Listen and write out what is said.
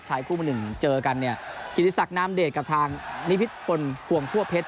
ชายคู่มือหนึ่งเจอกันเนี่ยคิดที่สักน้ำเดชกับทางนิพิตฟนห่วงผู้พว่าเพชร